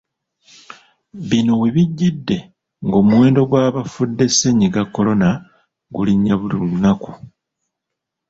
Bino we bijjidde ng’omuwendo gy’abafudde ssennyiga Corona gulinnya buli lunaku.